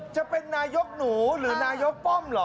จะเป็นนายกหนูหรือนายกป้อมเหรอ